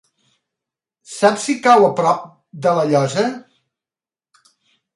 Saps si cau a prop de La Llosa?